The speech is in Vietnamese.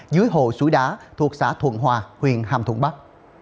dưới hồ suối đá thuộc xã thuận hòa huyện hàm thuận bắc